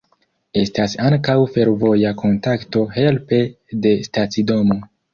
Estas ankaŭ fervoja kontakto helpe de stacidomo.